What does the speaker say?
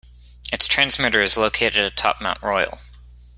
Its transmitter is located atop Mount Royal.